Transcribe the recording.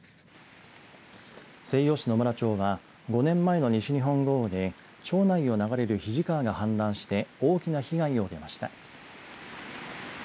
西予市野村町は５年前の西日本豪雨で町内を流れる肱川が氾濫して大きな被害を受けました。